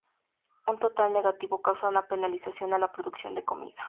Un total negativo causa una penalización a la producción de comida.